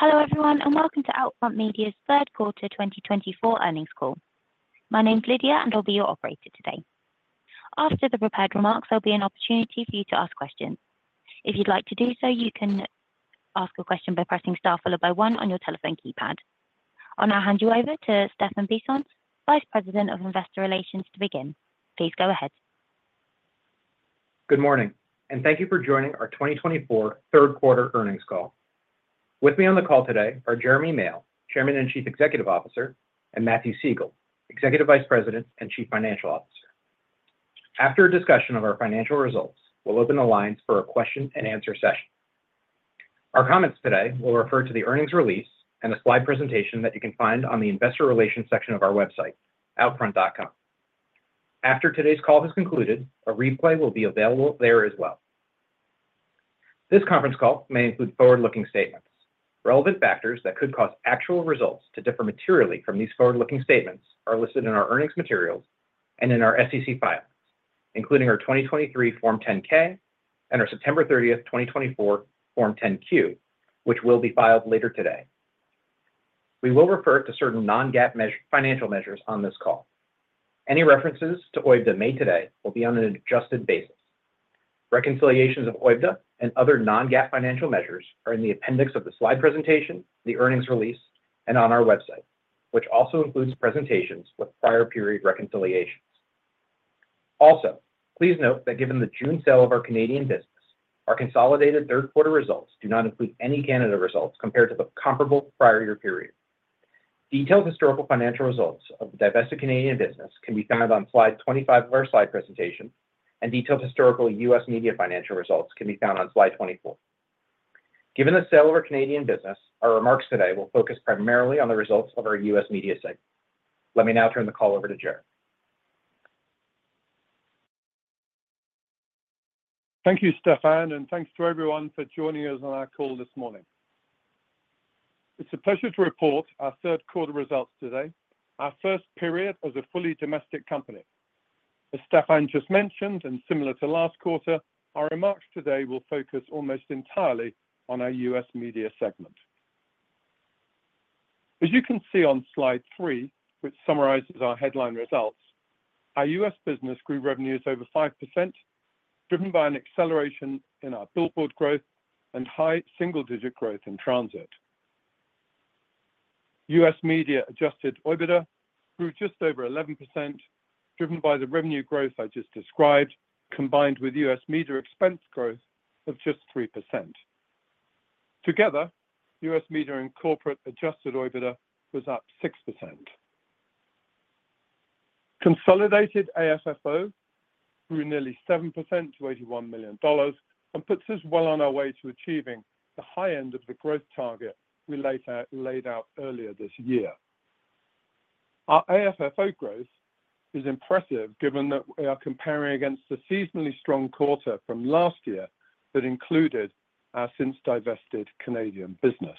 Hello everyone, and welcome to Outfront Media's third quarter 2024 earnings call. My name's Lydia, and I'll be your operator today. After the prepared remarks, there'll be an opportunity for you to ask questions. If you'd like to do so, you can ask a question by pressing star followed by one on your telephone keypad. I'll now hand you over to Stephan Bisson, Vice President of Investor Relations, to begin. Please go ahead. Good morning, and thank you for joining our 2024 third quarter earnings call. With me on the call today are Jeremy Male, Chairman and Chief Executive Officer, and Matthew Siegel, Executive Vice President and Chief Financial Officer. After a discussion of our financial results, we'll open the lines for a question-and-answer session. Our comments today will refer to the earnings release and a slide presentation that you can find on the Investor Relations section of our website, outfront.com. After today's call has concluded, a replay will be available there as well. This conference call may include forward-looking statements. Relevant factors that could cause actual results to differ materially from these forward-looking statements are listed in our earnings materials and in our SEC filings, including our 2023 Form 10-K and our September 30th, 2024 Form 10-Q, which will be filed later today. We will refer to certain non-GAAP financial measures on this call. Any references to OIBDA made today will be on an adjusted basis. Reconciliations of OIBDA and other non-GAAP financial measures are in the appendix of the slide presentation, the earnings release, and on our website, which also includes presentations with prior period reconciliations. Also, please note that given the June sale of our Canadian business, our consolidated third quarter results do not include any Canada results compared to the comparable prior year period. Detailed historical financial results of the divested Canadian business can be found on Slide 25 of our slide presentation, and detailed historical U.S. Media financial results can be found on Slide 24. Given the sale of our Canadian business, our remarks today will focus primarily on the results of our U.S. Media segment. Let me now turn the call over to Jeremy. Thank you, Stephan, and thanks to everyone for joining us on our call this morning. It's a pleasure to report our third quarter results today, our first period as a fully domestic company. As Stephan just mentioned, and similar to last quarter, our remarks today will focus almost entirely on our U.S. Media segment. As you can see on slide three, which summarizes our headline results, our U.S. business grew revenues over 5%, driven by an acceleration in our billboard growth and high single-digit growth in transit. U.S. Media adjusted OIBDA grew just over 11%, driven by the revenue growth I just described, combined with U.S. Media expense growth of just 3%. Together, U.S. Media and corporate adjusted OIBDA was up 6%. Consolidated AFFO grew nearly 7% to $81 million and puts us well on our way to achieving the high end of the growth target we laid out earlier this year. Our AFFO growth is impressive given that we are comparing against the seasonally strong quarter from last year that included our since-divested Canadian business.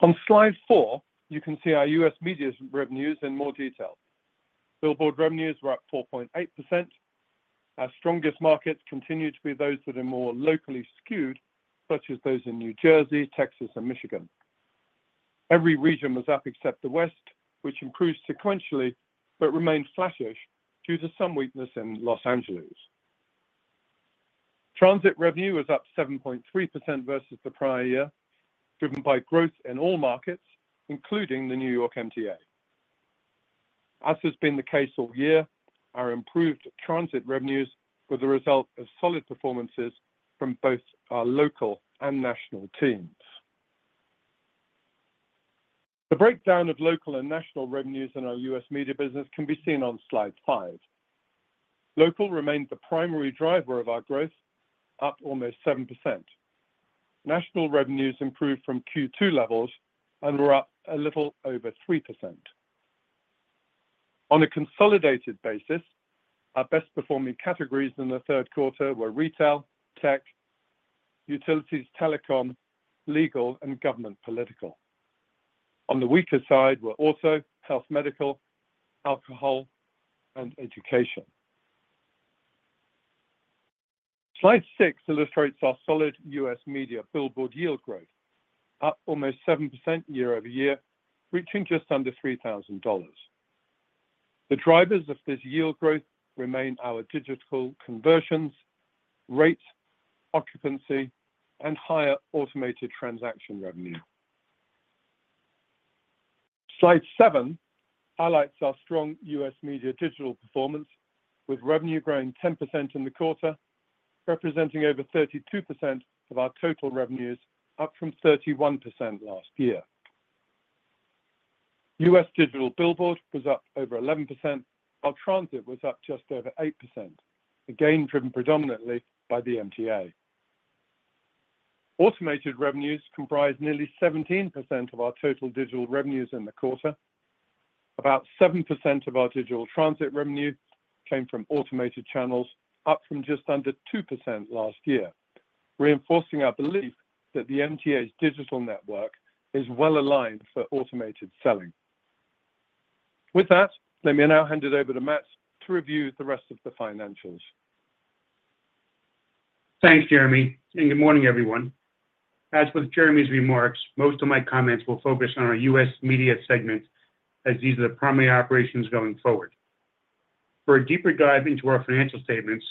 On Slide 4, you can see our U.S. Media revenues in more detail. Billboard revenues were up 4.8%. Our strongest markets continue to be those that are more locally skewed, such as those in New Jersey, Texas, and Michigan. Every region was up except the West, which improved sequentially but remained flat-ish due to some weakness in Los Angeles. Transit revenue was up 7.3% versus the prior year, driven by growth in all markets, including the New York MTA. As has been the case all year, our improved transit revenues were the result of solid performances from both our local and national teams. The breakdown of local and national revenues in our U.S. Media business can be seen on slide five. Local remained the primary driver of our growth, up almost 7%. National revenues improved from Q2 levels and were up a little over 3%. On a consolidated basis, our best-performing categories in the third quarter were retail, tech, utilities, telecom, legal, and government political. On the weaker side were also health, medical, alcohol, and education. Slide six illustrates our solid U.S. Media billboard yield growth, up almost 7% year-over-year, reaching just under $3,000. The drivers of this yield growth remain our digital conversions, rates, occupancy, and higher automated transaction revenue. Slide seven highlights our strong U.S. Media digital performance, with revenue growing 10% in the quarter, representing over 32% of our total revenues, up from 31% last year. U.S. digital billboard was up over 11%, while transit was up just over 8%, again driven predominantly by the MTA. Automated revenues comprised nearly 17% of our total digital revenues in the quarter. About 7% of our digital transit revenue came from automated channels, up from just under 2% last year, reinforcing our belief that the MTA's digital network is well aligned for automated selling. With that, let me now hand it over to Matt to review the rest of the financials. Thanks, Jeremy, and good morning, everyone. As with Jeremy's remarks, most of my comments will focus on our U.S. Media segment, as these are the primary operations going forward. For a deeper dive into our financial statements,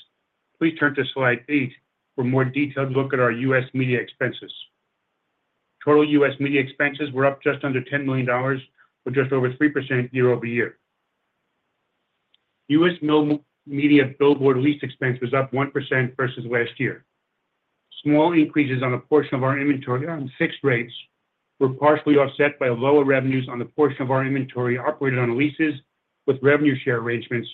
please turn to slide eight for a more detailed look at our U.S. Media expenses. Total U.S. Media expenses were up just under $10 million, or just over 3% year-over-year. U.S. Media billboard lease expense was up 1% versus last year. Small increases on a portion of our inventory on fixed rates were partially offset by lower revenues on a portion of our inventory operated on leases with revenue share arrangements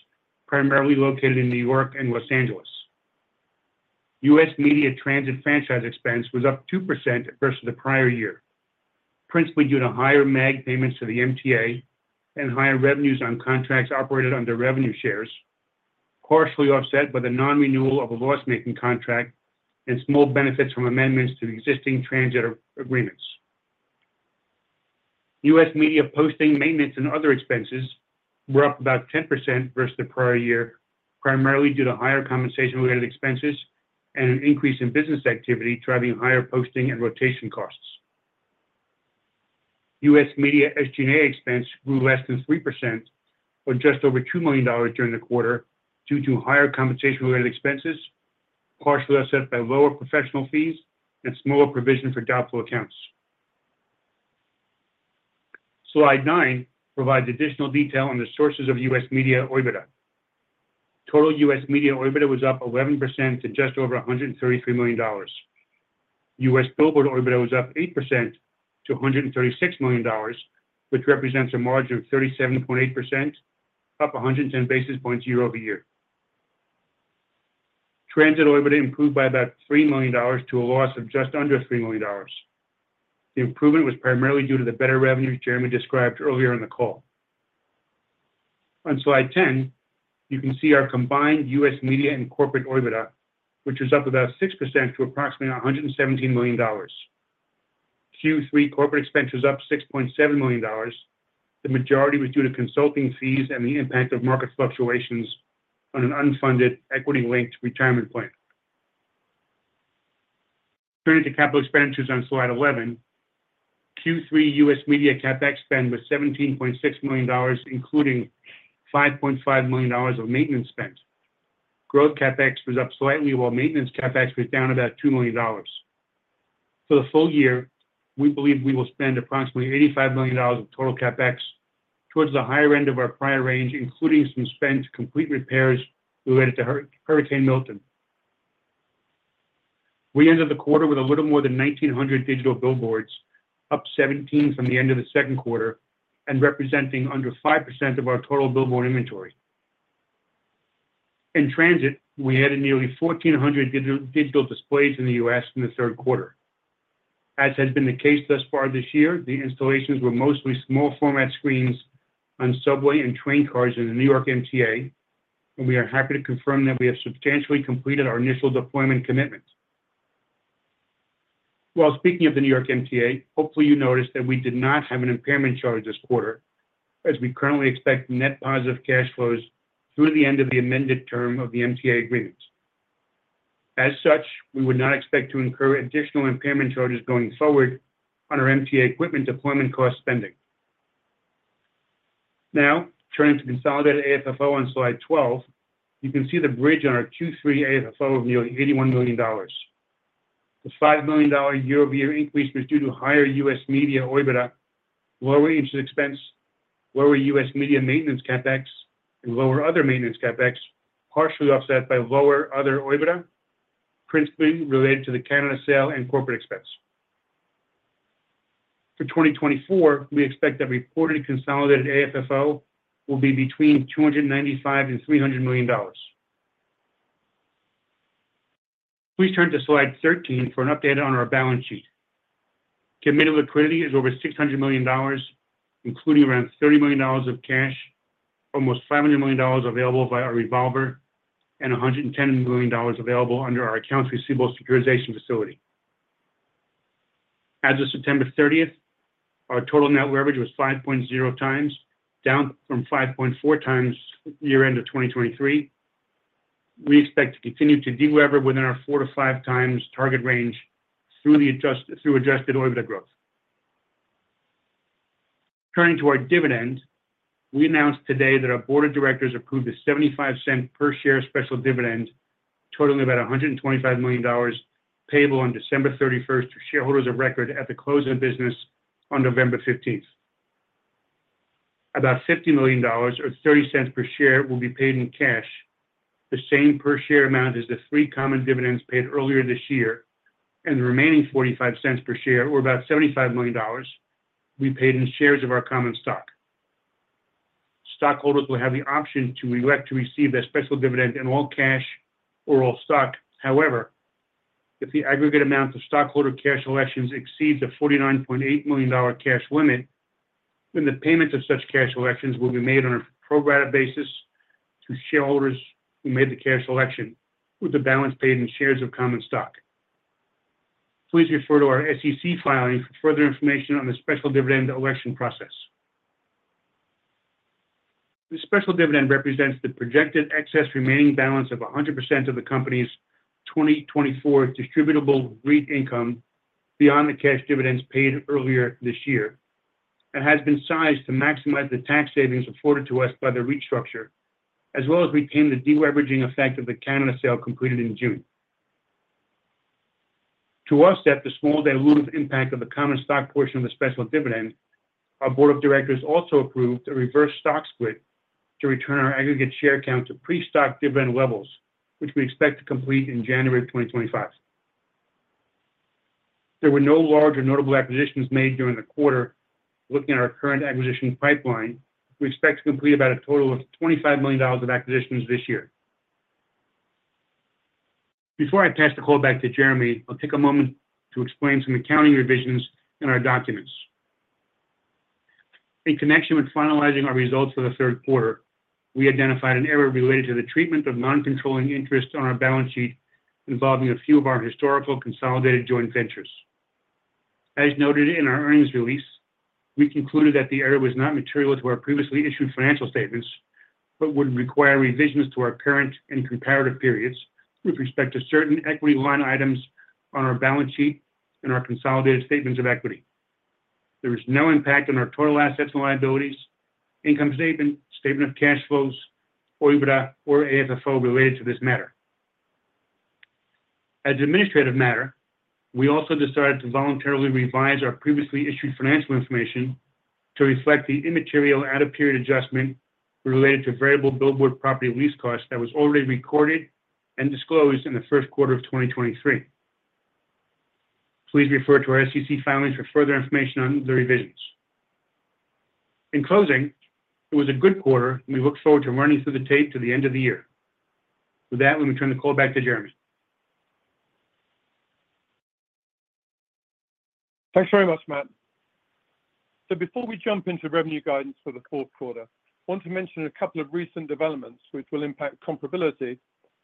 primarily located in New York and Los Angeles. U.S. Media transit franchise expense was up 2% versus the prior year, principally due to higher MAG payments to the MTA and higher revenues on contracts operated under revenue shares, partially offset by the non-renewal of a loss-making contract and small benefits from amendments to existing transit agreements. U.S. Media posting, maintenance, and other expenses were up about 10% versus the prior year, primarily due to higher compensation-related expenses and an increase in business activity driving higher posting and rotation costs. U.S. Media SG&A expense grew less than 3%, or just over $2 million during the quarter, due to higher compensation-related expenses, partially offset by lower professional fees and smaller provision for doubtful accounts. Slide 9 provides additional detail on the sources of U.S. Media OIBDA. Total U.S. Media OIBDA was up 11% to just over $133 million. U.S. Billboard OIBDA was up 8% to $136 million, which represents a margin of 37.8%, up 110 basis points year-over-year. Transit OIBDA improved by about $3 million to a loss of just under $3 million. The improvement was primarily due to the better revenues Jeremy described earlier in the call. On Slide 10, you can see our combined U.S. Media and corporate OIBDA, which was up about 6% to approximately $117 million. Q3 corporate expense was up $6.7 million. The majority was due to consulting fees and the impact of market fluctuations on an unfunded equity-linked retirement plan. Turning to capital expenditures on Slide 11, Q3 U.S. Media CapEx spend was $17.6 million, including $5.5 million of maintenance spend. Growth CapEx was up slightly, while maintenance CapEx was down about $2 million. For the full year, we believe we will spend approximately $85 million of total CapEx towards the higher end of our prior range, including some spent complete repairs related to Hurricane Milton. We ended the quarter with a little more than 1,900 digital billboards, up 17 from the end of the second quarter and representing under 5% of our total billboard inventory. In transit, we added nearly 1,400 digital displays in the U.S. in the third quarter. As has been the case thus far this year, the installations were mostly small-format screens on subway and train cars in the New York MTA, and we are happy to confirm that we have substantially completed our initial deployment commitment. While speaking of the New York MTA, hopefully you noticed that we did not have an impairment charge this quarter, as we currently expect net positive cash flows through the end of the amended term of the MTA agreement. As such, we would not expect to incur additional impairment charges going forward on our MTA equipment deployment cost spending. Now, turning to consolidated AFFO on Slide 12, you can see the bridge on our Q3 AFFO of nearly $81 million. The $5 million year-over-year increase was due to higher U.S. Media OIBDA, lower interest expense, lower U.S. Media maintenance CapEx, and lower other maintenance CapEx, partially offset by lower other OIBDA, principally related to the Canada sale and corporate expense. For 2024, we expect that reported consolidated AFFO will be between $295 million and $300 million. Please turn to slide 13 for an update on our balance sheet. Committed liquidity is over $600 million, including around $30 million of cash, almost $500 million available via our revolver, and $110 million available under our accounts receivable securitization facility. As of September 30th, our total net leverage was 5.0x, down from 5.4x year-end of 2023. We expect to continue to de-lever within our 4x-5x target range through adjusted OIBDA growth. Turning to our dividend, we announced today that our board of directors approved a $0.75 per-share special dividend, totaling about $125 million, payable on December 31st to shareholders of record at the close of business on November 15th. About $50 million, or $0.30 per share, will be paid in cash, the same per-share amount as the three common dividends paid earlier this year, and the remaining $0.45 per share, or about $75 million, will be paid in shares of our common stock. Stockholders will have the option to elect to receive their special dividend in all cash or all stock. However, if the aggregate amount of stockholder cash selections exceeds the $49.8 million cash limit, then the payment of such cash selections will be made on a pro-rata basis to shareholders who made the cash selection, with the balance paid in shares of common stock. Please refer to our SEC filing for further information on the special dividend election process. The special dividend represents the projected excess remaining balance of 100% of the company's 2024 distributable REIT income beyond the cash dividends paid earlier this year. It has been sized to maximize the tax savings afforded to us by the REIT structure, as well as retain the de-leveraging effect of the Canada sale completed in June. To offset the small dilutive impact of the common stock portion of the special dividend, our board of directors also approved a reverse stock split to return our aggregate share count to pre-stock dividend levels, which we expect to complete in January of 2025. There were no large or notable acquisitions made during the quarter. Looking at our current acquisition pipeline, we expect to complete about a total of $25 million of acquisitions this year. Before I pass the call back to Jeremy, I'll take a moment to explain some accounting revisions in our documents. In connection with finalizing our results for the third quarter, we identified an error related to the treatment of non-controlling interest on our balance sheet involving a few of our historical consolidated joint ventures. As noted in our earnings release, we concluded that the error was not material to our previously issued financial statements but would require revisions to our current and comparative periods with respect to certain equity line items on our balance sheet and our consolidated statements of equity. There was no impact on our total assets and liabilities, income statement, statement of cash flows, OIBDA, or AFFO related to this matter. As an administrative matter, we also decided to voluntarily revise our previously issued financial information to reflect the immaterial out-of-period adjustment related to variable billboard property lease costs that was already recorded and disclosed in the first quarter of 2023. Please refer to our SEC filings for further information on the revisions. In closing, it was a good quarter, and we look forward to running through the tape to the end of the year. With that, let me turn the call back to Jeremy. Thanks very much, Matt. So before we jump into revenue guidance for the fourth quarter, I want to mention a couple of recent developments which will impact comparability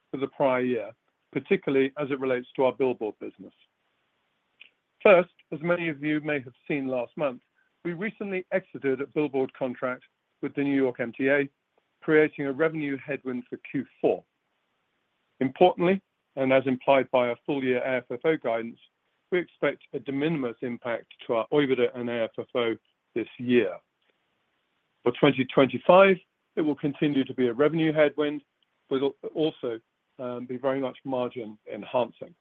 for the prior year, particularly as it relates to our billboard business. First, as many of you may have seen last month, we recently exited a billboard contract with the New York MTA, creating a revenue headwind for Q4. Importantly, and as implied by our full-year AFFO guidance, we expect a de minimis impact to our OIBDA and AFFO this year. For 2025, it will continue to be a revenue headwind, but it will also be very much margin enhancing.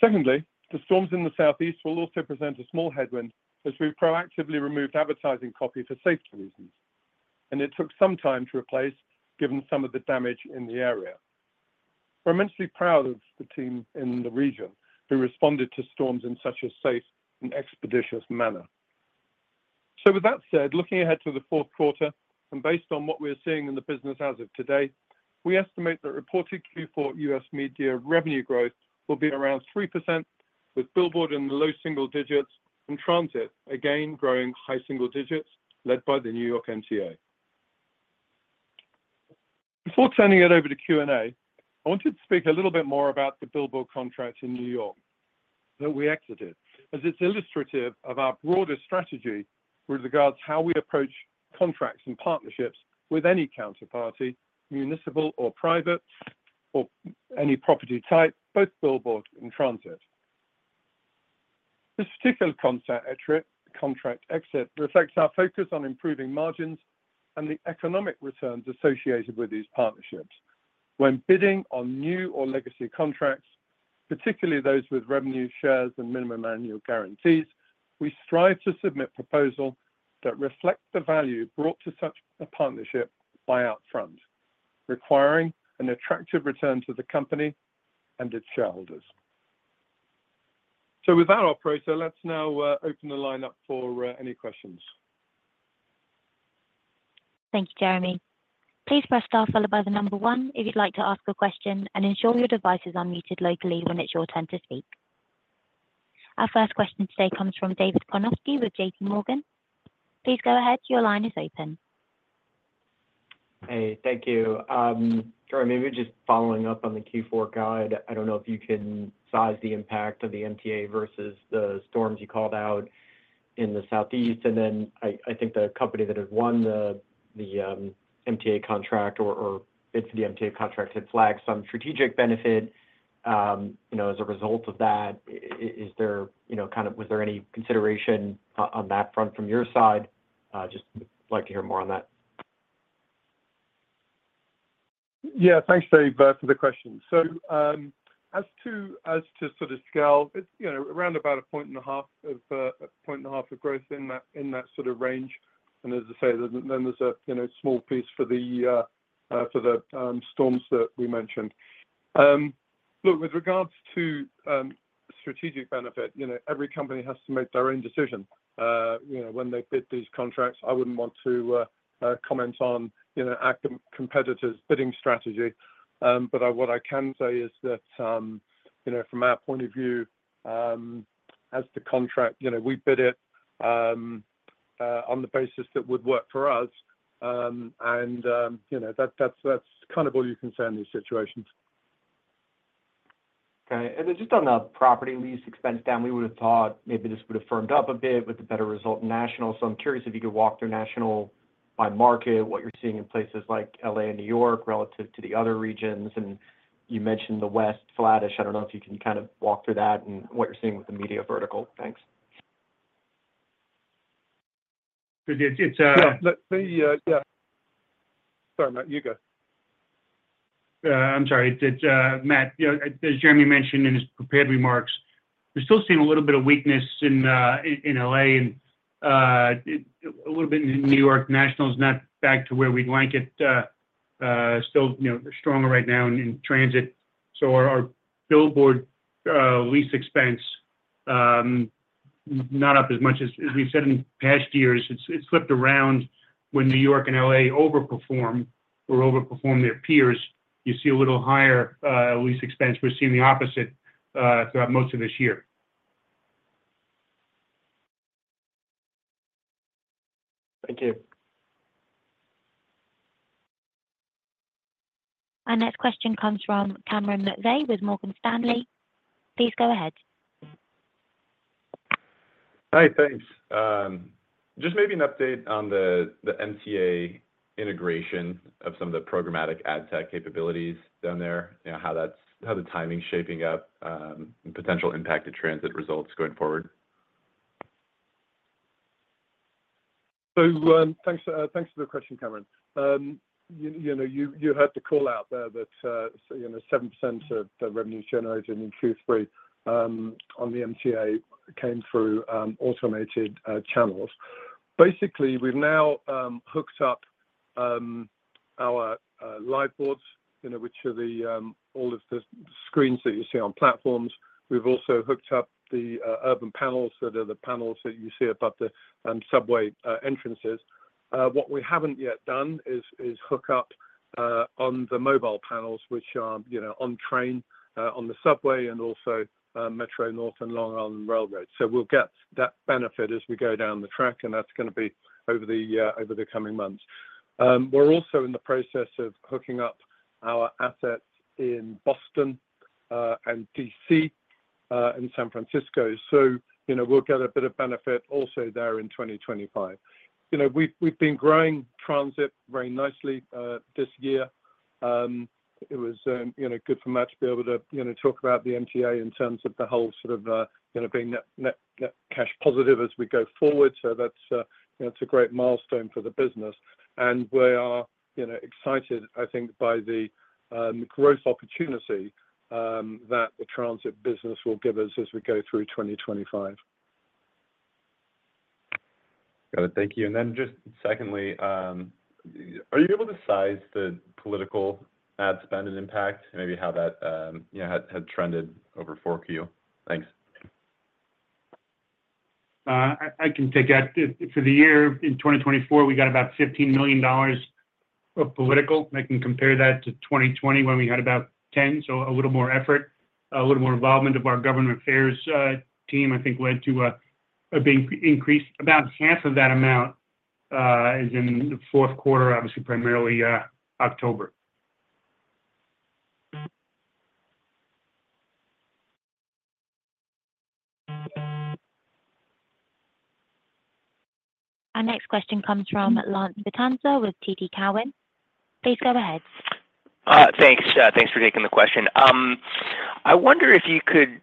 Secondly, the storms in the southeast will also present a small headwind as we proactively removed advertising copy for safety reasons, and it took some time to replace given some of the damage in the area. We're immensely proud of the team in the region who responded to storms in such a safe and expeditious manner. So with that said, looking ahead to the fourth quarter, and based on what we are seeing in the business as of today, we estimate that reported Q4 U.S. Media revenue growth will be around 3%, with billboard in the low single digits and transit, again, growing high single digits led by the New York MTA. Before turning it over to Q&A, I wanted to speak a little bit more about the billboard contract in New York that we exited, as it's illustrative of our broader strategy with regards to how we approach contracts and partnerships with any counterparty, municipal or private, or any property type, both billboard and transit. This particular contract exit reflects our focus on improving margins and the economic returns associated with these partnerships. When bidding on new or legacy contracts, particularly those with revenue shares and minimum annual guarantees, we strive to submit proposals that reflect the value brought to such a partnership by Outfront, requiring an attractive return to the company and its shareholders. So with that, operator, let's now open the line up for any questions. Thank you, Jeremy. Please press star followed by the number one if you'd like to ask a question, and ensure your device is unmuted locally when it's your turn to speak. Our first question today comes from David Karnovsky with J.P. Morgan. Please go ahead. Your line is open. Hey, thank you. Jeremy, just following up on the Q4 guide, I don't know if you can size the impact of the MTA versus the storms you called out in the southeast, and then I think the company that had won the MTA contract or bid for the MTA contract had flagged some strategic benefit as a result of that. Was there any consideration on that front from your side? Just would like to hear more on that. Yeah, thanks, Dave, for the question. So as to sort of scale, around about a point and a half of growth in that sort of range. And as I say, then there's a small piece for the storms that we mentioned. Look, with regards to strategic benefit, every company has to make their own decision when they bid these contracts. I wouldn't want to comment on competitors' bidding strategy. But what I can say is that from our point of view, on the contract, we bid it on the basis that would work for us. And that's kind of all you can say on these situations. Okay. And then just on the property lease expense down, we would have thought maybe this would have firmed up a bit with a better result in national. So I'm curious if you could walk through national by market, what you're seeing in places like LA and New York relative to the other regions? And you mentioned the West, Flattish. I don't know if you can kind of walk through that and what you're seeing with the media vertical? Thanks. Yeah, sorry, Matt. You go. I'm sorry. Matt, as Jeremy mentioned in his prepared remarks, we're still seeing a little bit of weakness in LA and a little bit in New York. National is not back to where we'd like it. Still stronger right now in transit. So our billboard lease expense, not up as much as we've said in past years. It's flipped around. When New York and LA overperform their peers, you see a little higher lease expense. We're seeing the opposite throughout most of this year. Thank you. Our next question comes from Cameron McVeigh with Morgan Stanley. Please go ahead. Hi, thanks. Just maybe an update on the MTA integration of some of the programmatic ad tech capabilities down there, how the timing's shaping up and potential impact to transit results going forward? So thanks for the question, Cameron. You heard the call out there that 7% of the revenues generated in Q3 on the MTA came through automated channels. Basically, we've now hooked up our Liveboards, which are all of the screens that you see on platforms. We've also hooked up the Urban Panels that are the panels that you see above the subway entrances. What we haven't yet done is hook up on the Mobile Panels, which are on train, on the subway, and also Metro-North and Long Island Rail Road. So we'll get that benefit as we go down the track, and that's going to be over the coming months. We're also in the process of hooking up our assets in Boston and D.C. and San Francisco. So we'll get a bit of benefit also there in 2025. We've been growing transit very nicely this year. It was good for Matt to be able to talk about the MTA in terms of the whole sort of being net cash positive as we go forward, so that's a great milestone for the business, and we are excited, I think, by the growth opportunity that the transit business will give us as we go through 2025. Got it. Thank you. And then just secondly, are you able to size the political ad spend and impact, maybe how that had trended over for Q? Thanks. I can take that. For the year in 2024, we got about $15 million of political. I can compare that to 2020 when we had about 10, so a little more effort, a little more involvement of our government affairs team, I think, led to a big increase. About half of that amount is in the fourth quarter, obviously primarily October. Our next question comes from Lance Vitanza with TD Cowen. Please go ahead. Thanks. Thanks for taking the question. I wonder if you could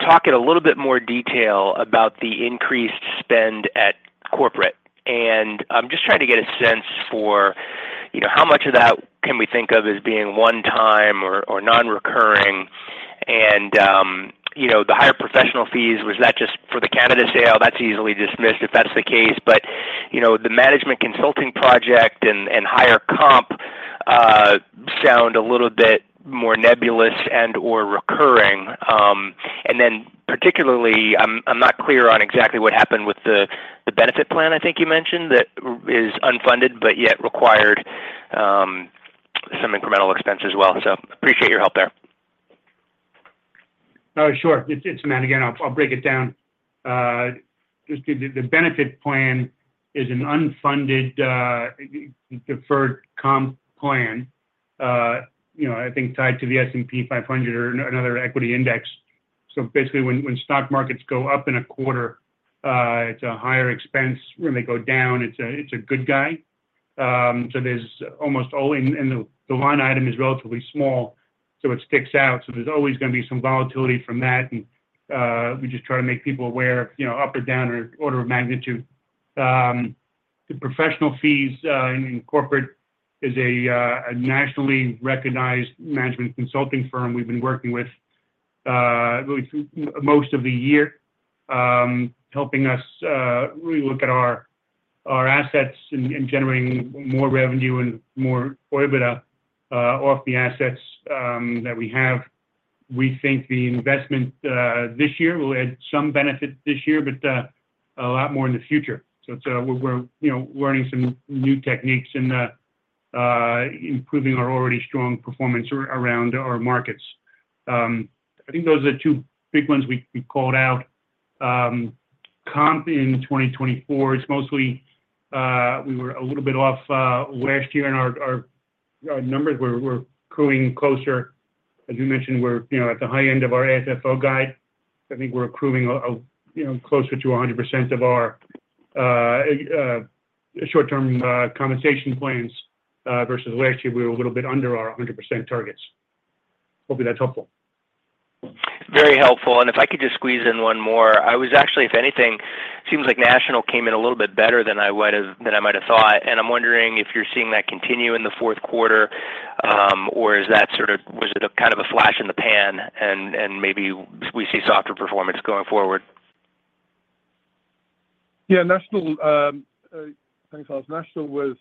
talk in a little bit more detail about the increased spend at corporate, and I'm just trying to get a sense for how much of that can we think of as being one-time or non-recurring, and the higher professional fees, was that just for the Canada sale? That's easily dismissed if that's the case, but the management consulting project and higher comp sound a little bit more nebulous and/or recurring, and then particularly, I'm not clear on exactly what happened with the benefit plan, I think you mentioned, that is unfunded but yet required some incremental expense as well, so I appreciate your help there. Oh, sure. It's Matt again. I'll break it down. The benefit plan is an unfunded deferred comp plan, I think, tied to the S&P 500 or another equity index. So basically, when stock markets go up in a quarter, it's a higher expense. When they go down, it's a good thing. So almost all in the line item is relatively small, so it sticks out. So there's always going to be some volatility from that. And we just try to make people aware of up or down or order of magnitude. The professional fees in corporate is a nationally recognized management consulting firm we've been working with most of the year, helping us really look at our assets and generating more revenue and more OIBDA off the assets that we have. We think the investment this year will add some benefit this year, but a lot more in the future. So we're learning some new techniques and improving our already strong performance around our markets. I think those are the two big ones we called out. Comp in 2024, it's mostly we were a little bit off last year in our numbers. We're accruing closer. As we mentioned, we're at the high end of our AFFO guide. I think we're accruing closer to 100% of our short-term compensation plans versus last year. We were a little bit under our 100% targets. Hopefully, that's helpful. Very helpful. And if I could just squeeze in one more, I was actually, if anything, it seems like national came in a little bit better than I might have thought. And I'm wondering if you're seeing that continue in the fourth quarter, or was it kind of a flash in the pan and maybe we see softer performance going forward? Yeah, national, thanks, Lance. National was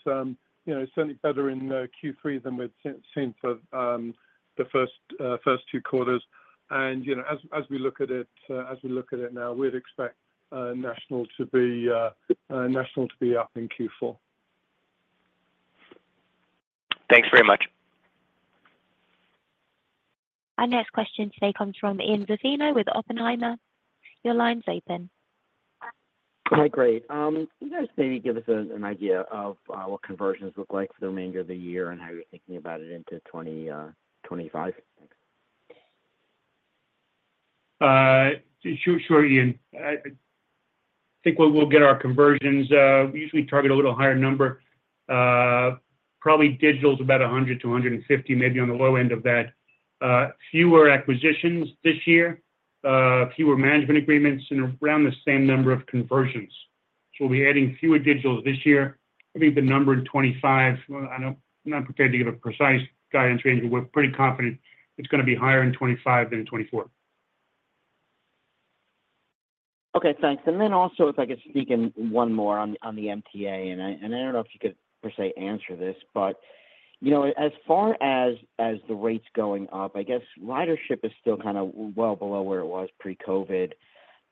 certainly better in Q3 than we'd seen for the first two quarters, and as we look at it, as we look at it now, we'd expect national to be up in Q4. Thanks very much. Our next question today comes from Ian Zaffino with Oppenheimer. Your line's open. Hi, Great. You guys maybe give us an idea of what conversions look like for the remainder of the year and how you're thinking about it into 2025? Sure, Ian. I think we'll get our conversions. We usually target a little higher number. Probably digital is about 100-150, maybe on the low end of that. Fewer acquisitions this year, fewer management agreements, and around the same number of conversions. So we'll be adding fewer digitals this year. I think the number in 2025, I'm not prepared to give a precise guidance range, but we're pretty confident it's going to be higher in 2025 than in 2024. Okay, thanks. And then also, if I could sneak in one more on the MTA, and I don't know if you could per se answer this, but as far as the rates going up, I guess ridership is still kind of well below where it was pre-COVID.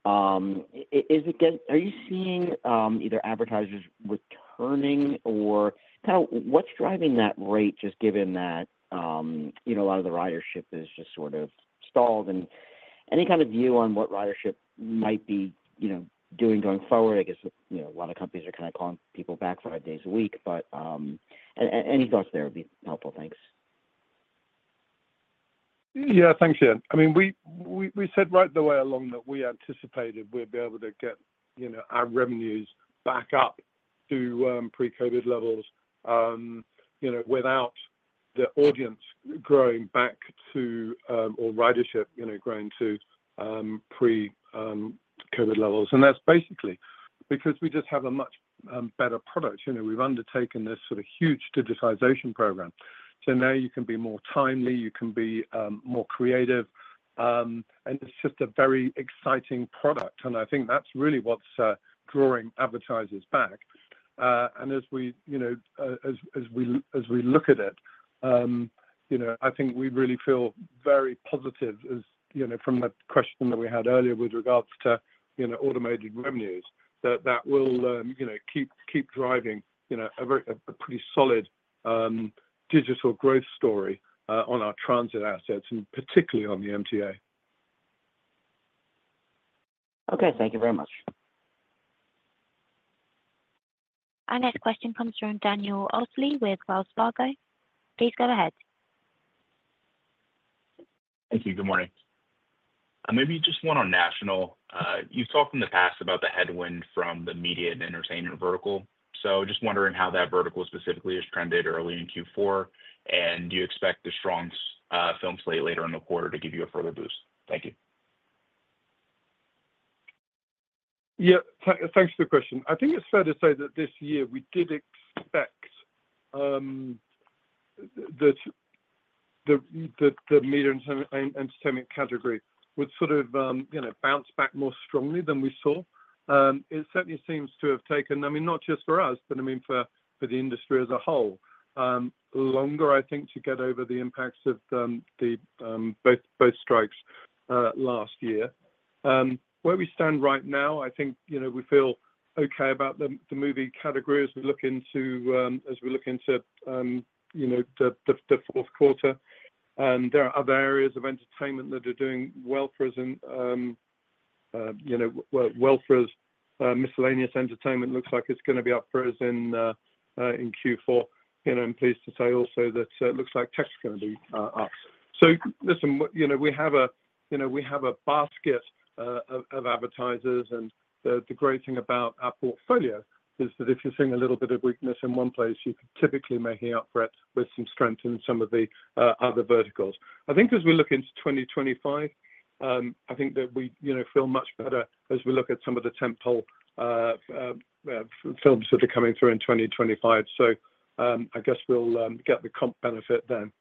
Are you seeing either advertisers returning, or kind of what's driving that rate, just given that a lot of the ridership is just sort of stalled? And any kind of view on what ridership might be doing going forward? I guess a lot of companies are kind of calling people back five days a week, but any thoughts there would be helpful. Thanks. Yeah, thanks, Ian. I mean, we said right the way along that we anticipated we'd be able to get our revenues back up to pre-COVID levels without the audience growing back to or ridership growing to pre-COVID levels. And that's basically because we just have a much better product. We've undertaken this sort of huge digitization program. So now you can be more timely, you can be more creative, and it's just a very exciting product. And I think that's really what's drawing advertisers back. And as we look at it, I think we really feel very positive from the question that we had earlier with regards to automated revenues, that that will keep driving a pretty solid digital growth story on our transit assets, and particularly on the MTA. Okay, thank you very much. Our next question comes from Daniel Osley with Wells Fargo. Please go ahead. Thank you. Good morning. Maybe just one on national. You've talked in the past about the headwind from the media and entertainment vertical. So just wondering how that vertical specifically has trended early in Q4, and do you expect the strong film play later in the quarter to give you a further boost? Thank you. Yeah, thanks for the question. I think it's fair to say that this year we did expect that the media and entertainment category would sort of bounce back more strongly than we saw. It certainly seems to have taken, I mean, not just for us, but I mean for the industry as a whole, longer, I think, to get over the impacts of both strikes last year. Where we stand right now, I think we feel okay about the movie category as we look into the fourth quarter. There are other areas of entertainment that are doing well for us, and well, for us, miscellaneous entertainment looks like it's going to be up for us in Q4. I'm pleased to say also that it looks like tech's going to be up. So listen, we have a basket of advertisers, and the great thing about our portfolio is that if you're seeing a little bit of weakness in one place, you typically may make up for it with some strength in some of the other verticals. I think as we look into 2025, I think that we feel much better as we look at some of the tentpole films that are coming through in 2025. So I guess we'll get the comp benefit then.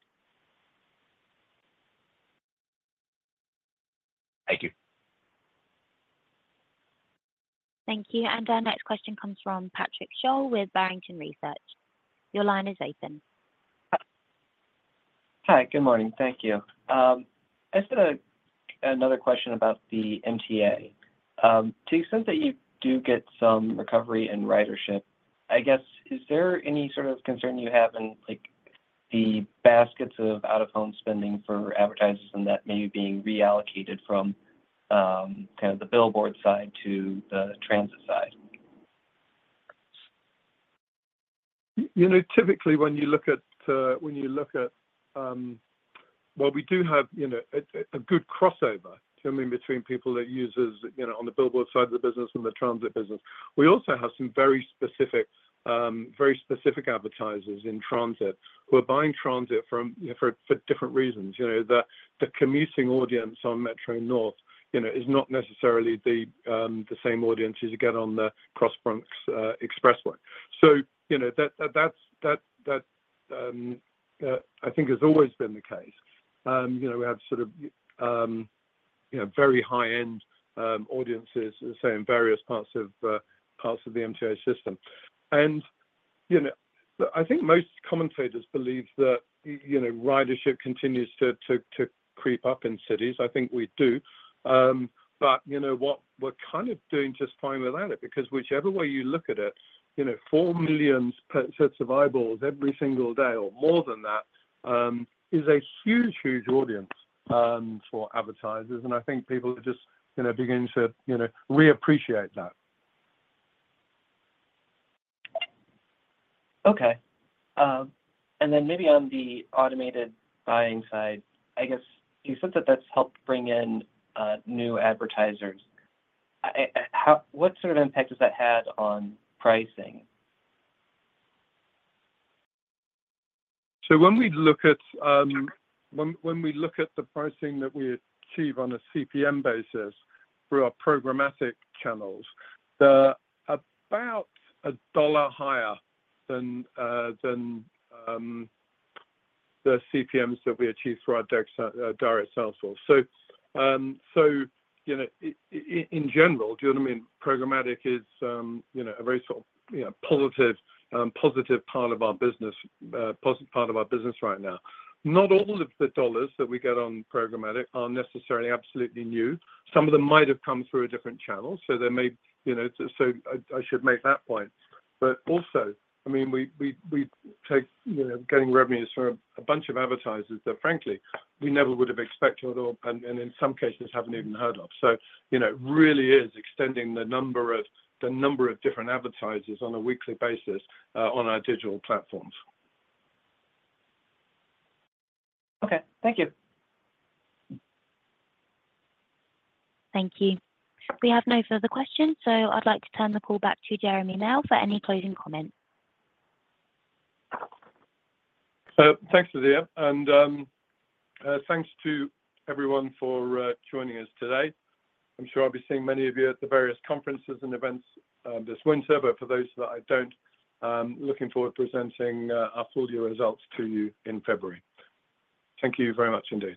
Thank you. Thank you. And our next question comes from Patrick Sholl with Barrington Research. Your line is open. Hi, good morning. Thank you. I just had another question about the MTA. To the extent that you do get some recovery in ridership, I guess, is there any sort of concern you have in the baskets of out-of-home spending for advertisers and that maybe being reallocated from kind of the billboard side to the transit side? Typically, when you look at, well, we do have a good crossover between people that use on the billboard side of the business and the transit business. We also have some very specific advertisers in transit who are buying transit for different reasons. The commuting audience on Metro-North is not necessarily the same audience as you get on the Cross Bronx Expressway. So that, I think, has always been the case. We have sort of very high-end audiences, say, in various parts of the MTA system. And I think most commentators believe that ridership continues to creep up in cities. I think we do. But what we're kind of doing just fine without it because whichever way you look at it, four million sets of eyeballs every single day or more than that is a huge, huge audience for advertisers. I think people are just beginning to reappreciate that. Okay. And then maybe on the automated buying side, I guess you said that that's helped bring in new advertisers. What sort of impact has that had on pricing? So when we look at the pricing that we achieve on a CPM basis through our programmatic channels, they're about $1 higher than the CPMs that we achieve through our direct sales force. So in general, do you know what I mean? Programmatic is a very sort of positive part of our business right now. Not all of the dollars that we get on programmatic are necessarily absolutely new. Some of them might have come through a different channel, so there may, so I should make that point. But also, I mean, we take getting revenues from a bunch of advertisers that, frankly, we never would have expected or, in some cases, haven't even heard of. So it really is extending the number of different advertisers on a weekly basis on our digital platforms. Okay, thank you. Thank you. We have no further questions, so I'd like to turn the call back to Jeremy now for any closing comments. Thanks, Lydia. And thanks to everyone for joining us today. I'm sure I'll be seeing many of you at the various conferences and events this winter, but for those that I don't, looking forward to presenting our full year results to you in February. Thank you very much indeed.